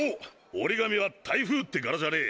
折紙は台風ってガラじゃねぇ。